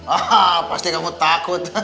ah pasti kamu takut